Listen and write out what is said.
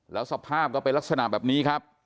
แล้วสภาพก็เป็นลักษณะแบบนี้ครับ